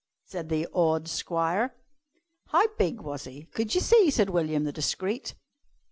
said the awed squire. "How big was he? Could you see?" said William the discreet.